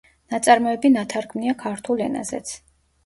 ნაწარმოები ნათარგმნია ქართულ ენაზეც.